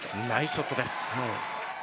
ナイスショットです。